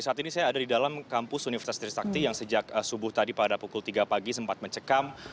saat ini saya ada di dalam kampus universitas trisakti yang sejak subuh tadi pada pukul tiga pagi sempat mencekam